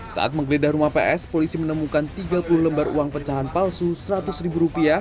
saat menggeledah rumah ps polisi menemukan tiga puluh lembar uang pecahan palsu rp seratus